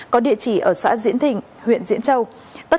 có địa chỉ ở xã diễn thịnh huyện diễn châu